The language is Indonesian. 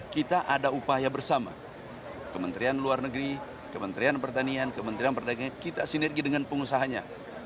kita ada upaya bersama kementerian luar negeri kementerian pertanian kementerian pertanian kita sinergi dengan pengusahanya